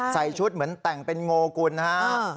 ใส่ชุดเหมือนแต่งเป็นโงกุลนะฮะ